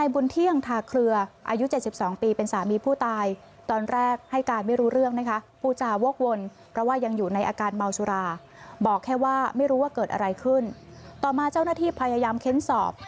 บอกแค่ว่าไม่รู้ว่าเกิดอะไรขึ้นต่อมาเจ้าหน้าที่พยายามเข้นสอบ